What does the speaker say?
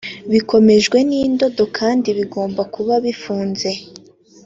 rikomejwe n indodo kandi bigomba kuba bifunze